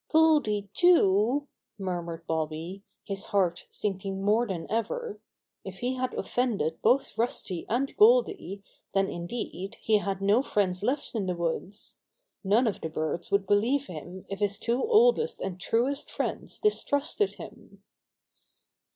"Goldy, too!" murmured Bobby, his heart sinking more than ever. If he had offended both Rusty and Goldy then, indeed, he had no friends left in the woods. None of the birds would believe him if his two oldest and truest friends distrusted him.